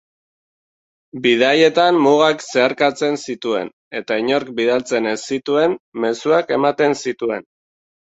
Bidaietan mugak zeharkatzen zituen eta inork bidaltzen ez zituen mezuak ematen zituen.